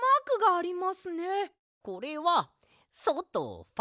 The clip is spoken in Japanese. これは「ソ」と「ファ」。